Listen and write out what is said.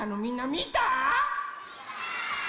みた！